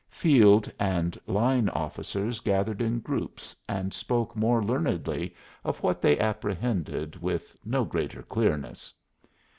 Field and line officers gathered in groups and spoke more learnedly of what they apprehended with no greater clearness.